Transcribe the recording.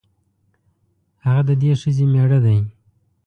هغه د دې ښځې مېړه دی.